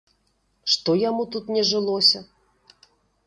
Што яму тут не жылося?